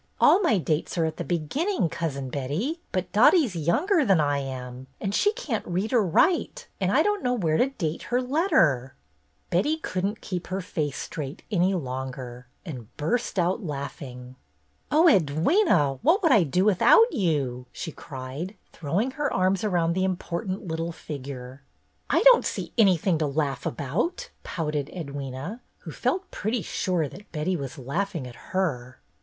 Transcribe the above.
All my dates are at the beginning. Cousin Betty, but Dottie's younger than I am, and she can't read or write, and I don't know where to date her letter." Betty could n't keep her face straight any longer and burst out laughing. "Oh, Edwyna, what would I do without you 1 " she cried, throwing her arms round the important little figure. "I don't see anything to laugh about," pouted Edwyna, who felt pretty sure that Betty was laughing at her.